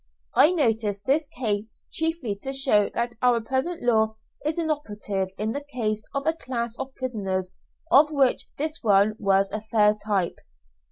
I notice this case chiefly to show that our present law is inoperative in the case of a class of prisoners of which this one was a fair type.